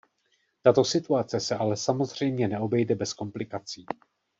Tato situace se ale samozřejmě neobejde bez komplikací.